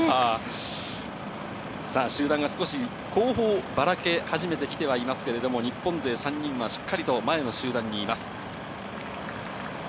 さあ、集団が少し後方、ばらけ始めてきてはいますけれども、日本勢３人はしっかりと前の集団にいます。